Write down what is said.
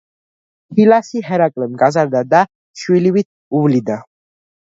ჰილასი ჰერაკლემ გაზარდა და შვილივით უვლიდა.